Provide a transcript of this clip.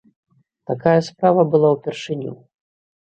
Такая справа была ўпершыню.